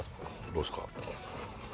どうですか？